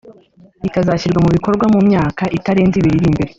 bikazashyirwa mu bikorwa mu myaka itarenze ibiri iri imbere